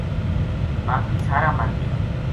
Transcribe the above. باقی سارا مر گیا